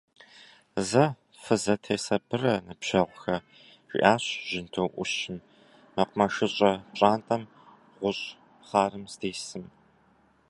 Зэ фызэтесабырэ, ныбжьэгъухэ! – жиӏащ жьынду ӏущым, мэкъумэшыщӏэ пщӏантӏэм гъущӏ хъарым здисым.